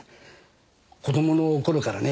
子供の頃からね。